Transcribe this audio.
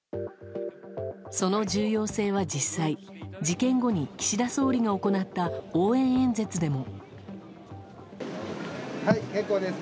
その重要性は実際事件後に岸田総理が行った応援演説でも。